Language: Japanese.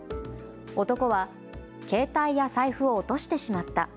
男は携帯や財布を落としてしまった。